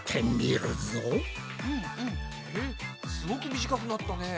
えっすごく短くなったね。